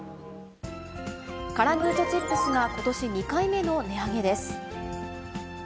カラムーチョチップスがことし２回目の値上げです。